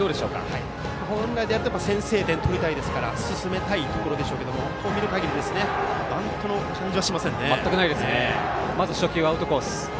本来であれば先制点を取りたいですから進めたいところですけどバントの感じはしませんね。